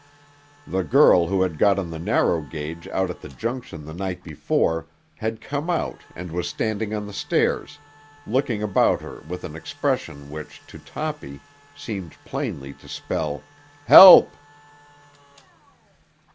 The girl who had got on the narrow gauge out at the junction the night before had come out and was standing on the stairs, looking about her with an expression which to Toppy seemed plainly to spell, "Help!"